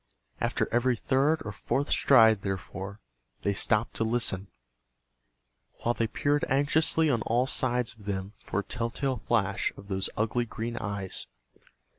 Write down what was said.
After every third or fourth stride, therefore, they stopped to listen, while they peered anxiously on all sides of them for a tell tale flash of those ugly green eyes.